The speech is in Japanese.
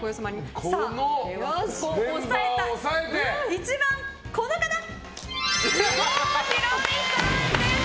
１番は、郷ひろみさんです！